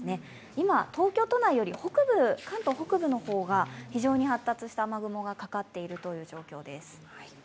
今、東京都内より、関東北部の方が非常に発達した雨雲がかかっているという状況です。